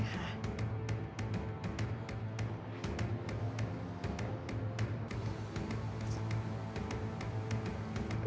ใช่ค่ะ